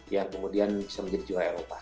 yang kemudian bisa menjadi juara eropa